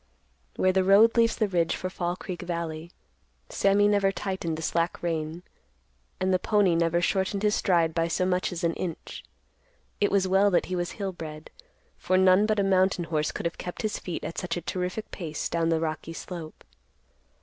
Where the road leaves the ridge for Fall Creek Valley, Sammy never tightened the slack rein, and the pony never shortened his stride by so much as an inch. It was well that he was hill bred, for none but a mountain horse could have kept his feet at such a terrific pace down the rocky slope.